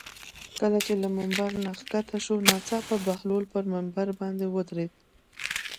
کله چې له ممبر نه ښکته شو ناڅاپه بهلول پر ممبر باندې ودرېد.